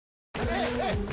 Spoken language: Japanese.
はい！